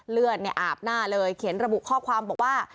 เลือดเนี่ยอาบหน้าเลยเขียนระบุข้อความบอกว่า